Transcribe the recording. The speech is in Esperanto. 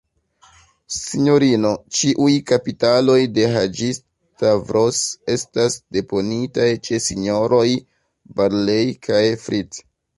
Sinjorino, ĉiuj kapitaloj de Haĝi-Stavros estas deponitaj ĉe S-roj Barlei kaj Fritt.